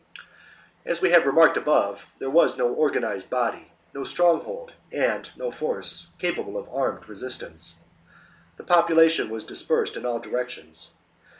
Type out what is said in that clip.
34. As we have remarked above, there was Difficulties no organized body, no stronghold, and no force paign. capable of armed resistance : the population was dispersed in all directions.